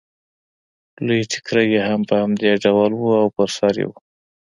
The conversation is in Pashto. لوی ټکری یې هم په همدې ډول و او پر سر یې و